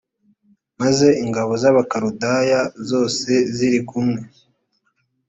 maze ingabo z abakaludaya zose zari kumwe